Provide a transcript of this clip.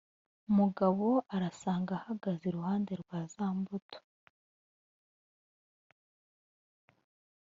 mugabo ari asanga ahagaze iruhande rwa za mbuto